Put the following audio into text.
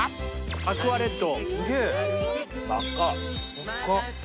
アクアレッド。